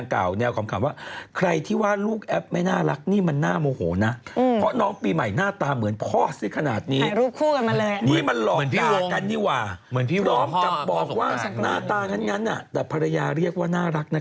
คุณพ่อสงการเตชะนโรงก็โพสต์ข้อความถึงกรณีดังเก่า